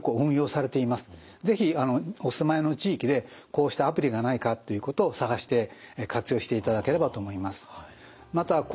是非お住まいの地域でこうしたアプリがないかということを探して活用していただければと思います。